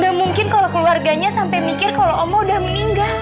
nah mungkin kalau keluarganya sampai mikir kalau omo udah meninggal